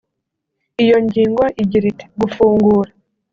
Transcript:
Iyo ngingo igira iti “Gufungura